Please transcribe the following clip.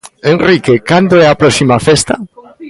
Enrique, cando é a próxima festa?